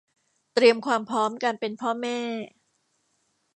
เตรียมความพร้อมการเป็นพ่อแม่